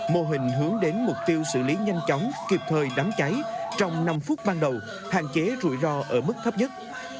mô hình hướng đến mục tiêu xử lý nhanh chóng kịp thời đám cháy trong năm phút ban đầu hạn chế rủi ro ở mức thấp nhất